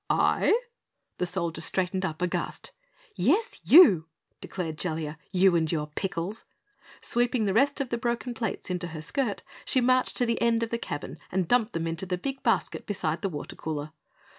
"I?" The Soldier straightened up, aghast. "Yes, YOU!" declared Jellia. "You and your pickles." Sweeping the rest of the broken plates into her skirt, she marched to the end of the cabin and dumped them into the big basket beside the water cooler.